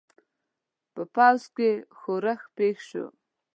په پوځ کې ښورښ پېښ شو.